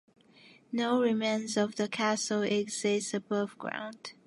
No remains of the castle exist above ground.